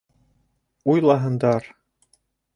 Уйлаһындар!